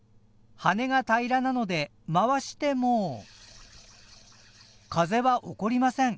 羽根が平らなので回しても風は起こりません。